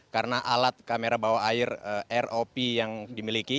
karena alat kamera bawah air rop yang dimiliki